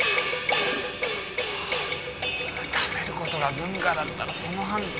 あ食べることが文化だったらその反対。